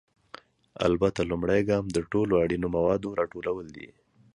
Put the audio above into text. البته، لومړی ګام د ټولو اړینو موادو راټولول دي.